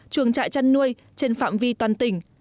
trường trại chăn nuôi trên phạm vi toàn tỉnh